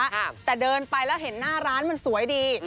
เธอไม่ใช่ลูกค้าแต่เดินไปแล้วเห็นหน้าร้านมันสวยดี